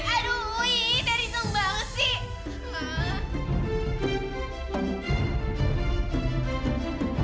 aduh wuy ter hitung banget sih